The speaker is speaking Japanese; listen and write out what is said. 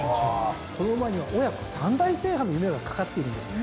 この馬には親子３代制覇の夢が懸かっているんです。